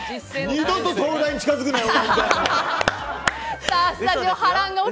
二度と東大に近づくなよ